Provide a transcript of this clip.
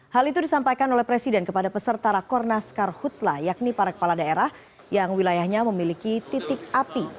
hal itu disampaikan oleh presiden kepada peserta rakornas karhutla yakni para kepala daerah yang wilayahnya memiliki titik api